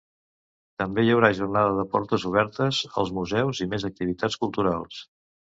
També hi haurà jornada de portes obertes als museus i més activitats culturals.